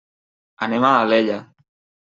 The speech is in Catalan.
Anem a Alella.